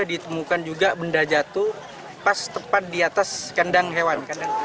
ditemukan juga benda jatuh pas tepat di atas kandang hewan